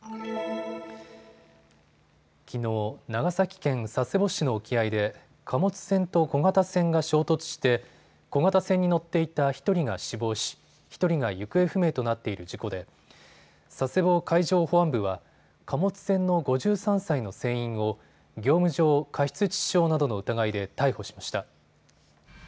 きのう、長崎県佐世保市の沖合で貨物船と小型船が衝突して小型船に乗っていた１人が死亡し１人が行方不明となっている事故で佐世保海上保安部は貨物船の５３歳の船員を業務上過失致死傷などの疑いで逮捕しました。